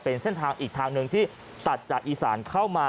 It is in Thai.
เป็นเส้นทางอีกทางหนึ่งที่ตัดจากอีสานเข้ามา